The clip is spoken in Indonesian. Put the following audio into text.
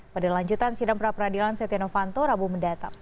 pada lanjutan sinem prapradilan setia novanto rabu mendatang